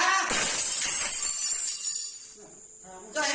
ก่อนเวลาต้องก่อน